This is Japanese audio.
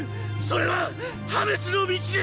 それはっ破滅の道です！